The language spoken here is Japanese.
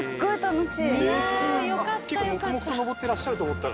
結構黙々と登ってらっしゃると思ったら。